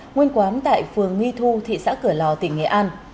nguyên quán tại phường nghi thu thị xã cửa lò tỉnh nghệ an